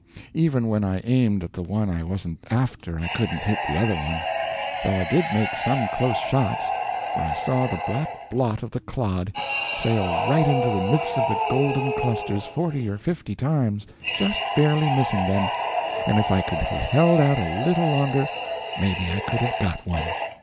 Even when I aimed at the one I wasn't after I couldn't hit the other one, though I did make some close shots, for I saw the black blot of the clod sail right into the midst of the golden clusters forty or fifty times, just barely missing them, and if I could have held out a little longer maybe I could have got one.